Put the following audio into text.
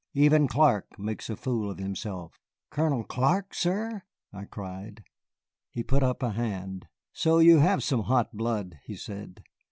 Even Clark makes a fool of himself " "Colonel Clark, sir!" I cried. He put up a hand. "So you have some hot blood," he said.